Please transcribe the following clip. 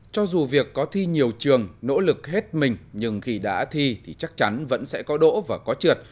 cho dù việc có thi nhiều trường nỗ lực hết mình nhưng khi đã thi thì chắc chắn vẫn sẽ có đỗ và có trượt